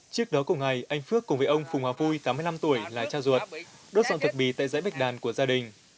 trước đó cùng ngày anh phước cùng với ông phùng hòa vui tám mươi năm tuổi là cha ruột đốt sọng thực bì tại dãy bạch đàn của gia đình